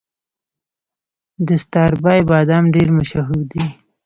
د ستاربای بادام ډیر مشهور دي.